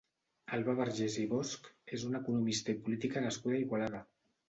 Alba Vergés i Bosch és una economista i política nascuda a Igualada.